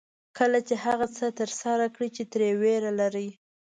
کله چې هغه څه ترسره کړئ چې ترې وېره لرئ.